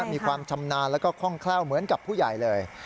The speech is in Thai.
มีความชำนาญแล้วก็คล่องแคล่วเหมือนกับผู้ใหญ่เลย